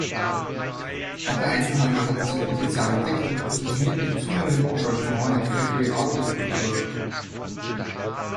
Auch der Einzelhandel hat dieses Potenzial entdeckt und positioniert mit zunehmendem Engagement eine Factory-Outlet-„Kultur“.